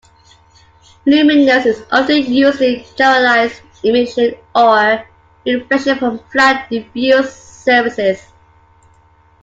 Luminance is often used to characterize emission or reflection from flat, diffuse surfaces.